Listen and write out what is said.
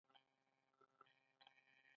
د کوټې د اوسپنيزې درنې دروازې غنجا وخته.